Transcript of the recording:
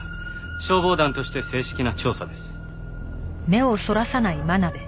消防団として正式な調査です。